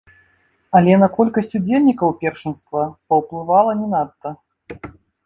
Але на колькасць удзельнікаў першынства паўплывала не надта.